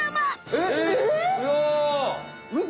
えっ？